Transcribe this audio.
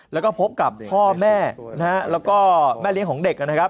แล้วก็พบกับพ่อแม่แล้วก็แม่เลี้ยงของเด็ก